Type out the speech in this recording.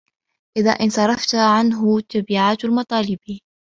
إذَا انْصَرَفَتْ عَنْهُ تَبِعَاتُ الْمَطَالِبِ